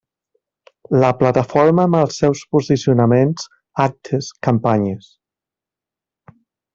La plataforma amb els seus posicionaments, actes, campanyes.